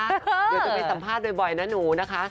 เดี๋ยวจะไปสัมภาษณ์บ่อยนะหนูนะคะ